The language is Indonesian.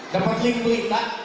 dapat link berita